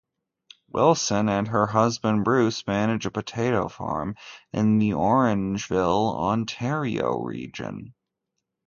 Wilson and her husband Bruce manage a potato farm in the Orangeville, Ontario region.